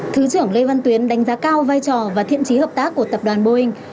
thứ trưởng lê văn tuyến đánh giá cao vai trò và thiện trí hợp tác của tập đoàn boeing